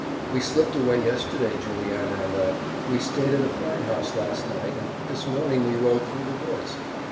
We slipped away yesterday, Juliana and I. We stayed at a farmhouse last night, and this morning we rode through the woods.